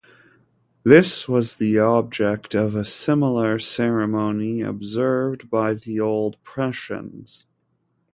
This was the object of a similar ceremony observed by the old Prussians.